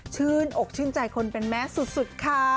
ชื่นอกชื่นใจคนเป็นแม่สุดค่ะ